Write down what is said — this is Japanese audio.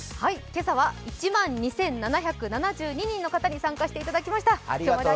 今朝は１万２７７２人の方に参加していただきました。